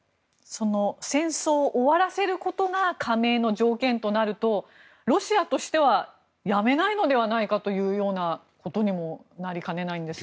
戦争を終わらせることが加盟の条件となるとロシアとしてはやめないのではないかというようなことにもなりかねないんですが。